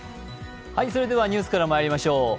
それではニュースからまいりましょう。